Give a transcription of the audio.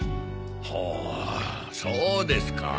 ほうそうですか。